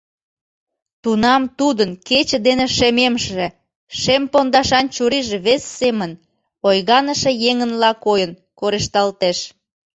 Тунам тудын кече дене шемемше шем пондашан чурийже вес семын, ойганыше еҥынла койын, корешталтеш.